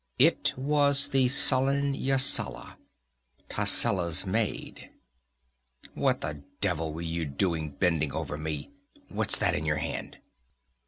It was the sullen Yasala, Tascela's maid. "What the devil were you doing bending over me? What's that in your hand?"